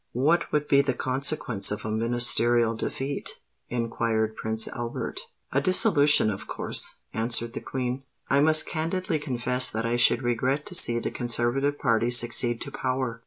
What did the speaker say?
"What would be the consequence of a Ministerial defeat?" inquired Prince Albert. "A dissolution, of course," answered the Queen. "I must candidly confess that I should regret to see the Conservative party succeed to power.